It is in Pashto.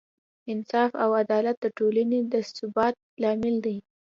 انصاف او عدالت د ټولنې د ثبات لامل دی.